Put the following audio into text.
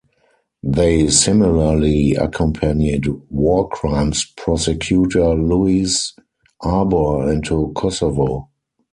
They similarly accompanied war crimes prosecutor Louise Arbour into Kosovo.